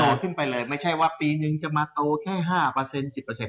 โดดขึ้นไปเลยไม่ใช่ว่าปีนึงจะมาโตแค่๕เปอร์เซ็นต์๑๐เปอร์เซ็นต์